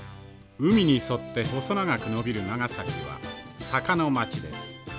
海に沿って細長くのびる長崎は坂の街です。